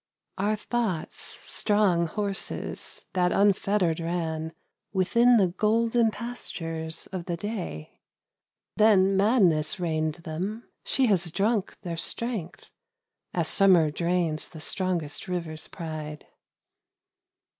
Our thoughts, strong horses that unfettered ran Within the golden pastures of the Day : Then madness reined them ; she has drunk their strength As summer drains the strongest rivers' pride.